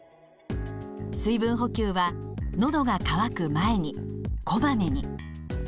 水分補給は「のどが渇く前に」「こまめに」。